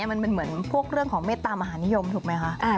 มันเป็นเหมือนพวกเรื่องของเมตตามหานิยมถูกไหมคะ